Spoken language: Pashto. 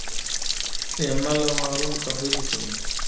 ایمل او هارون خبرې کوي.